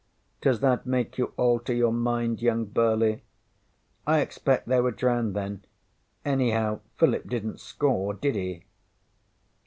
Does that make you alter your mind, young Burleigh? ŌĆÖ ŌĆśI expect they were drowned, then. Anyhow, Philip didnŌĆÖt score, did he?